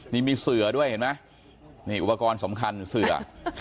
นี่มีเสือด้วยเห็นไหมนี่อุปกรณ์สำคัญเสือ